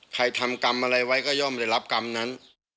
ทำกรรมอะไรไว้ก็ย่อมได้รับกรรมนั้น